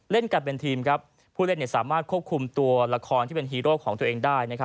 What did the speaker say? เล่นกันเป็นทีมผู้เล่นสามารถควบคุมตัวละครที่เป็นฮีโร่ของตัวเองได้